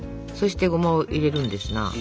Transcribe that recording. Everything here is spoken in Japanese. そしてごまを入れるんですな。